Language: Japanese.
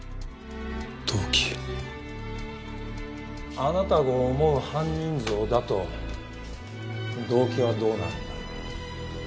あなたが思う犯人像だと動機はどうなるんだろう？